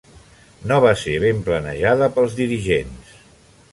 No va ser ben planejada pels dirigents.